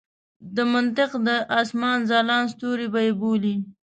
د منطق د اسمان ځلانده ستوري به یې بولي.